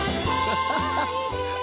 アハハハ。